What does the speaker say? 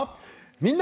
「みんな！